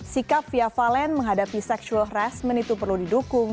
sikap fia fallen menghadapi sexual harassment itu perlu didukung